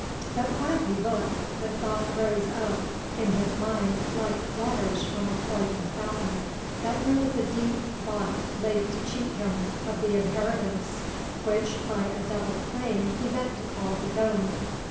But while he looked, the thought rose up in his mind like waters from a poisoned fountain, that there was a deep plot laid to cheat him of the inheritance which by a double claim he meant to call his own.